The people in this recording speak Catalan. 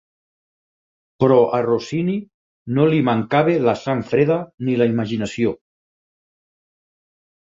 Però a Rossini no li mancava la sang freda ni la imaginació.